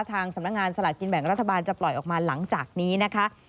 ทางสำนักงานสลากกินแบ่งรัฐบาลจะปล่อยออกมาหลังจากนี้นะคะ